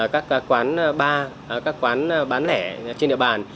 các quán bar các quán bán lẻ trên địa bàn